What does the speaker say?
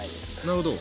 なるほど。